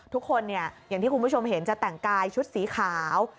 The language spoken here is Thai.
ทุกคนอย่างที่คุณผู้ชมเห็นจะแต่งกายชุดสีขาว